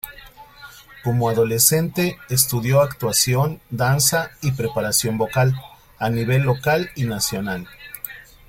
Como adolescente, estudió actuación, danza y preparación vocal, a nivel local y nacional.